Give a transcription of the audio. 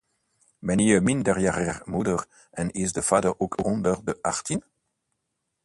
Ben je minderjarige moeder en is de vader ook onder de achttien?